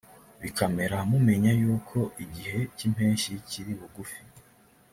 bikamera mumenya yuko igihe cy impeshyi kiri bugufi